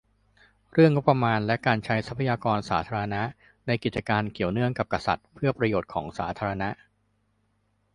- เรื่องงบประมาณและการใช้ทรัพยากรสาธารณะ ในกิจการเกี่ยวเนื่องกับกษัตริย์ เพื่อประโยชน์ของสาธารณะ